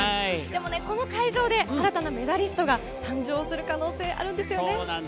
この会場で新たなメダリストが誕生する可能性があるんですよね。